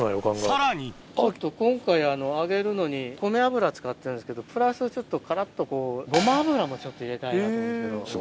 さらにちょっと今回揚げるのに米油使ってるんですけどプラスちょっとカラっとこうごま油もちょっと入れたいなと思うんですけど。